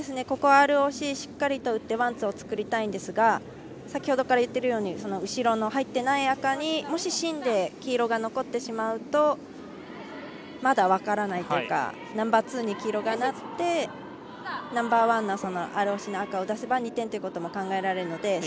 ここはＲＯＣしっかりと打ってワン、ツーを作りたいんですが先ほどから言っているように後ろの入っていない赤にもし芯で黄色が残るとまだ分からないというかナンバーツーに黄色がなってナンバーワンのＲＯＣの赤を出せば、２点ということも考えられるので。